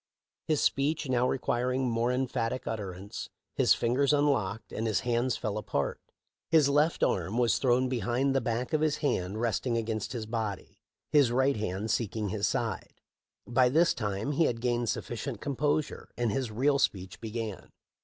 His speech now requiring more emphatic utterance, his fingers unlocked and 'his hands fell apart. His left arm was thrown behind, the back of his hand resting against his body, his right hand seeking his side. By this time he had gained sufficient composure, and his real speech began.